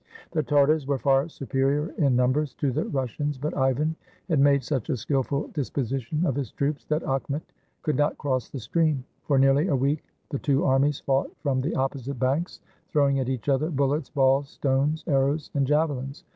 The Tartars were far superior in numbers to the Rus sians, but Ivan had made such a skillful disposition of his troops that Akhmet could not cross the stream. For nearly a week the two armies fought from the opposite banks, throwing at each other bullets, balls, stones, ar rows, and javelins.